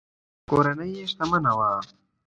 کورنۍ یې شتمنه وه.